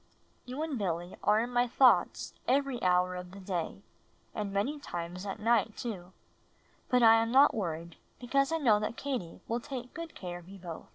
You and Billy are in my thoughts every hour of the day and many times at night, too; hut I am not worried because I know that: Katie will take good care of you both.